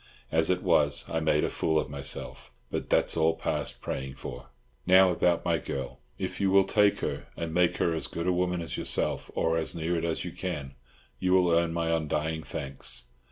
As it was, I made a fool of myself. But that's all past praying for. Now about my girl. If you will take her, and make her as good a woman as yourself, or as near it as you can, you will earn my undying thanks.